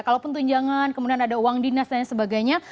kalau pun tunjangan kemudian ada uang dinas dan lain sebagainya